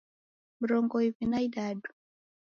Mrongo iw'i na idadu